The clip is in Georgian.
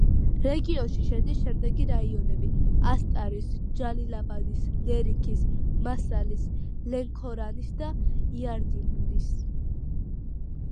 რეგიონში შედის შემდეგი რაიონები: ასტარის, ჯალილაბადის, ლერიქის, მასალის, ლენქორანის და იარდიმლის.